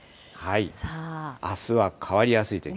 あすは変わりやすい天気。